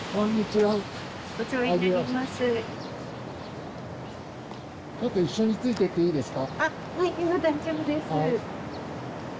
はい今大丈夫です。